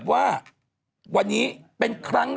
จากธนาคารกรุงเทพฯ